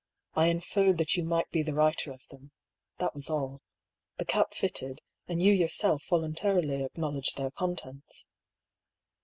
" I inferred that you might be the writer of them — that was aU. The cap fitted, and you yourself voluntarily acknowledged their contents."